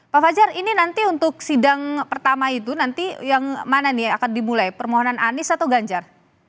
pak fajar ini nanti untuk sidang pertama itu nanti yang mana nih akan dimulai permohonan anies atau ganjar